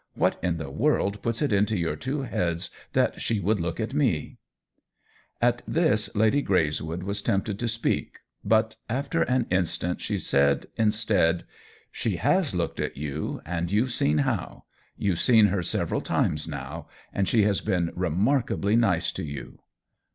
What in the world puts it into your two heads that she would look at me V At this Lady Greyswood was tempted to speak; but after an instant she said, instead :" She ^as looked at you, and you've seen how. You've seen her several times now, and she has been remarkably nice to you."